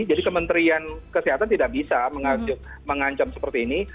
jadi kementerian kesehatan tidak bisa mengancam seperti ini